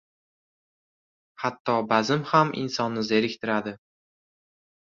• Hatto bazm ham insonni zeriktiradi.